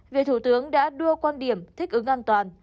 việc thủ tướng đã đưa quan điểm thích ứng an toàn